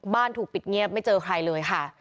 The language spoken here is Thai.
ถูกปิดเงียบไม่เจอใครเลยค่ะ